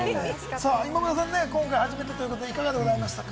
今村さん、今回、初めてということでいかがでしたか？